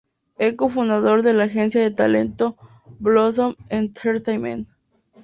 E co-fundador de la agencia de talento Blossom Entertainment.